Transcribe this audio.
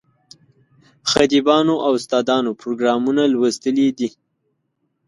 خطیبانو او استادانو پروګرامونه لوستلي دي.